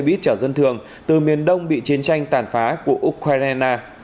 mỹ chở dân thường từ miền đông bị chiến tranh tàn phá của ukraine